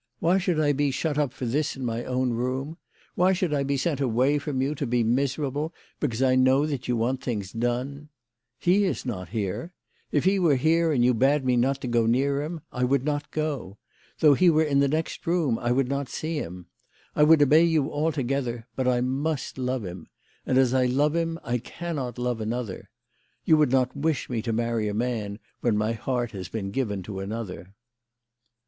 Why should I be shut up for this in my own room ? Why should I be sent away from you, to be miserable because I know that you want things done ? He is not here. If he were here and you bade me not to go near him, I would not go. Though he were in the next room I would not see him. I would obey you altogether, but I must love him. And as I love him I cannot love another. You would not wish me to marry a man when my heart has been given to another."